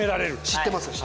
知ってます。